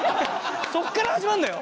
そこから始まるのよ。